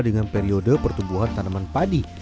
dengan periode pertumbuhan tanaman padi